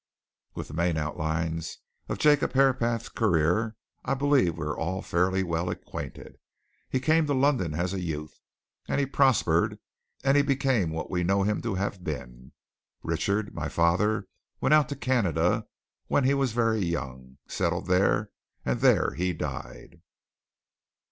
With the main outlines of Jacob Herapath's career I believe we are all fairly well acquainted. He came to London as a youth, and he prospered, and became what we know him to have been. Richard, my father, went out to Canada, when he was very young, settled there, and there he died.